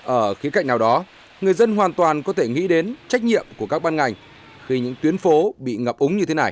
ở khía cạnh nào đó người dân hoàn toàn có thể nghĩ đến trách nhiệm của các ban ngành khi những tuyến phố bị ngập úng như thế này